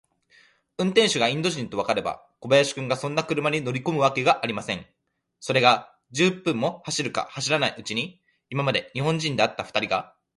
運転手がインド人とわかれば、小林君がそんな車に乗りこむわけがありません。それが、十分も走るか走らないうちに、今まで日本人であったふたりが、